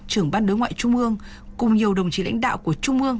trưởng ban đối ngoại trung ương cùng nhiều đồng chí lãnh đạo của trung ương